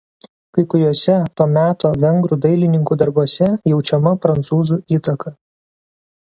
Kai kuriuose to meto vengrų dailininkų darbuose jaučiama prancūzų įtaka.